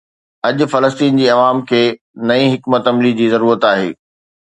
اڄ فلسطين جي عوام کي نئين حڪمت عملي جي ضرورت آهي.